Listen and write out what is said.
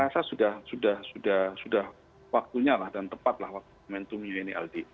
saya rasa sudah waktunya lah dan tepat lah waktu momentum ini aldi